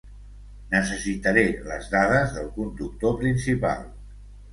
Necessitaré les dades del conductor principal.